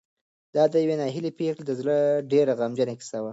دا د یوې ناهیلې پېغلې د زړه ډېره غمجنه کیسه وه.